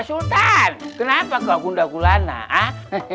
e sultan kenapa kau gunda gulana ha hah